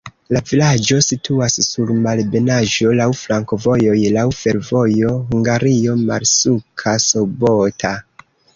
La vilaĝo situas sur malebenaĵo, laŭ flankovojoj, laŭ fervojo Hungario-Murska Sobota.